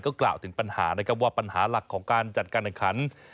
กล่าวถึงปัญหานะครับว่าปัญหาหลักของการจัดการแข่งขัน